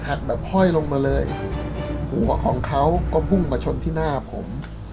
แบบห้อยลงมาเลยหัวของเขาก็พุ่งมาชนที่หน้าผม